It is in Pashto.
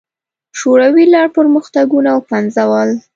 شوروي لړ پرمختګونه وپنځول.